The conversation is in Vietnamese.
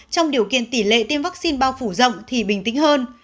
trong điều kiện tỷ lệ tiêm vaccine bao phủ rộng thì bình tĩnh hơn